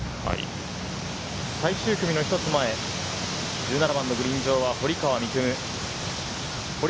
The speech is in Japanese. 最終組の１つ前、１７番のグリーン上は堀川未来